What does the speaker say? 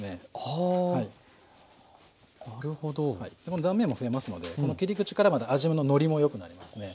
この断面も増えますのでこの切り口からまた味ののりもよくなりますね。